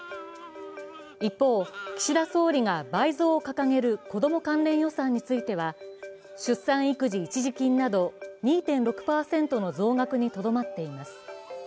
一方、岸田総理が倍増を掲げる子供関連予算については、出産育児一時金など２．６％の増額にとどまっています。